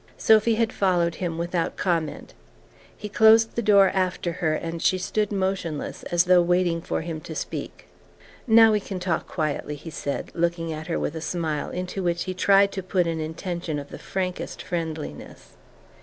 Sophy had followed him without comment. He closed the door after her, and she stood motionless, as though waiting for him to speak. "Now we can talk quietly," he said, looking at her with a smile into which he tried to put an intention of the frankest friendliness.